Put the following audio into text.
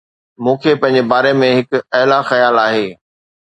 مون کي پنهنجي باري ۾ هڪ اعلي خيال آهي